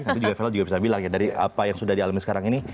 nanti juga vel juga bisa bilang ya dari apa yang sudah dialami sekarang ini